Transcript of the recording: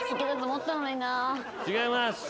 違います。